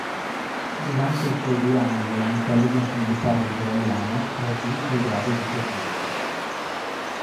Durante i suoi due anni nell'intelligence militare israeliana raggiunse il grado di sergente.